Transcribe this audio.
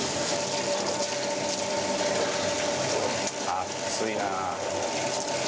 暑いなあ。